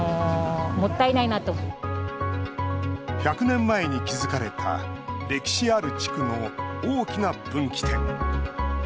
１００年前に築かれた歴史ある地区の大きな分岐点。